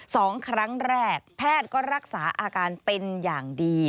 สองครั้งแรกแพทย์ก็รักษาอาการเป็นอย่างดี